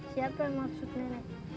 siapa yang maksudnya nek